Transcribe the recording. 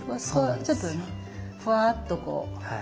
そこがちょっとねフワッとこう。